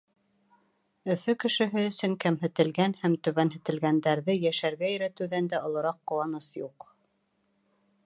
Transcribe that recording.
Өфө кешеһе өсөн кәмһетелгән һәм түбәнһетелгәндәрҙе йәшәргә өйрәтеүҙән дә олораҡ ҡыуаныс юҡ.